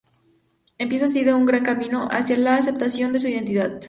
Empieza así de un largo camino hacia la aceptación de su identidad.